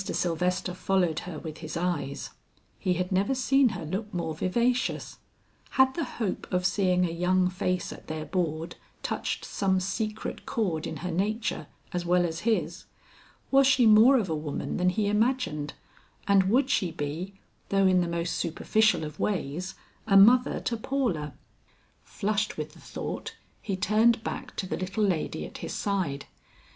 Sylvester followed her with his eyes; he had never seen her look more vivacious; had the hope of seeing a young face at their board touched some secret chord in her nature as well as his? Was she more of a woman than he imagined, and would she be, though in the most superficial of ways, a mother to Paula? Flushed with the thought, he turned back to the little lady at his side.